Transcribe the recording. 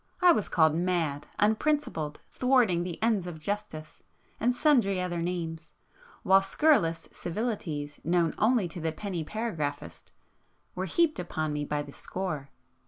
I was called 'mad,' 'unprincipled,' 'thwarting the ends of justice,'—and sundry other names, while scurrilous civilities known only to the penny paragraphist were heaped upon me by the score.